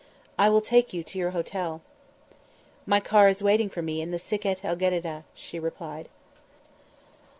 "I will take you to your hotel." "My car is waiting for me in the Sikket el Gedideh," she replied.